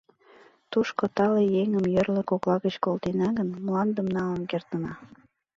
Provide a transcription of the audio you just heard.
Тушко тале еҥым йорло кокла гыч колтена гын, мландым налын кертына.